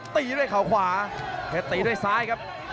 ตีด้วยเขาขวาเพชรตีด้วยซ้ายครับ